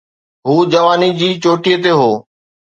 هو جوانيءَ جي چوٽيءَ تي هو.